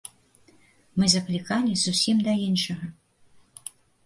Мы заклікалі зусім да іншага.